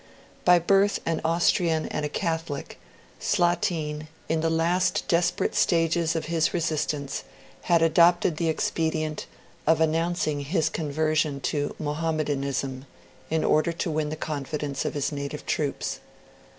By birth an Austrian and a Catholic, Slatin, in the last desperate stages of his resistance, had adopted the expedient of announcing his conversion to Mohammedanism, in order to win the confidence of his native troops.